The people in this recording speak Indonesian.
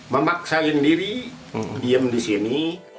memaksa sendiri diem di sini